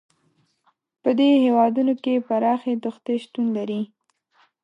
په دې هېوادونو کې پراخې دښتې شتون لري.